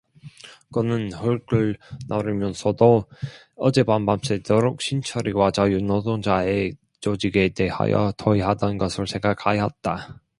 그는 흙을 나르면서도 어젯밤 밤새도록 신철이와 자유노동자의 조직에 대하여 토의하던 것을 생각하였다.